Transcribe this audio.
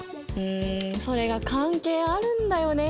んそれが関係あるんだよね。